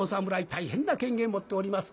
大変な権限持っております。